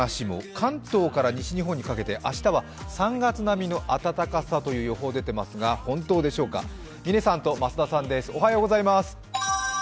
関東から西日本にかけて明日は３月並みの暖かさという予報が出ていますが本当でしょうか、嶺さんと増田さんです。